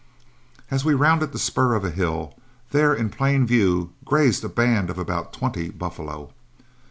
As we rounded the spur of the hill, there in plain view grazed a band of about twenty buffalo.